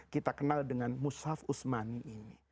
kita kenal dengan mushaf usmani ini